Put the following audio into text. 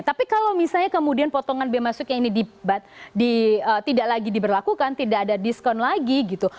tapi kalau misalnya kemudian potongan biaya masuk yang ini dibat di tidak lagi diberlakukan tidak ada diskon lagi gitu